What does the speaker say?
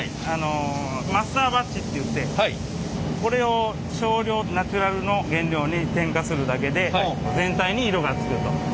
マスターバッチっていってこれを少量ナチュラルの原料に添加するだけで全体に色がつくと。